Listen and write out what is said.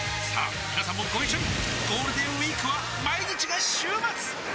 みなさんもご一緒にゴールデンウィークは毎日が週末！